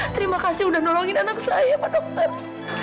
terima kasih udah nolongin anak saya pak dokter